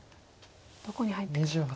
どこに入っていくのか。